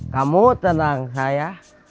kamu tenang saya